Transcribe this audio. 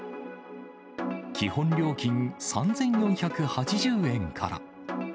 基本料金３４８０円から。